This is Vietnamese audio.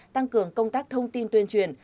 tăng cường công tác thông tin tuyên truyền